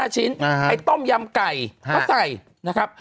๕ชิ้นไอ้ต้มยำไก่ก็ใส่นะครับ